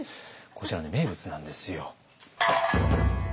こちらね名物なんですよ。